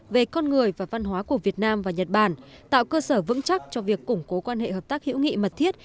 về con người và văn hóa của việt nam và nhật bản tạo cơ sở vững chắc cho việc củng cố quan hệ hợp tác hữu nghị mật thiết